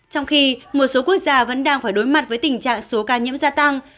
trong khi một số quốc gia vẫn đang phải đối mặt với tình trạng số ca nhiễm gia tăng